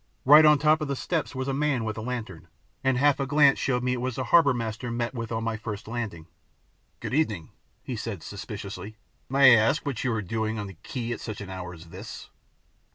Right on top of the steps was a man with a lantern, and half a glance showed me it was the harbour master met with on my first landing. "Good evening," he said suspiciously. "May I ask what you are doing on the quay at such an hour as this?"